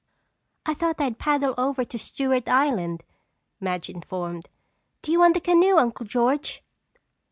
"I thought I'd paddle over to Stewart Island," Madge informed. "Do you want the canoe, Uncle George?"